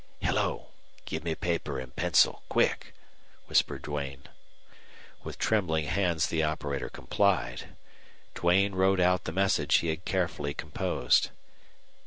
"Hello. Give me paper and pencil. Quick," whispered Duane. With trembling hands the operator complied. Duane wrote out the message he had carefully composed.